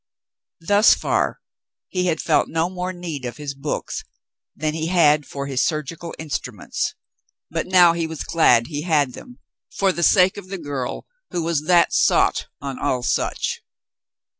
Thus far he had felt no more need of his books than he had for his surgical instruments, but now he was glad he had them for the sake of the girl who was "that sot on all such."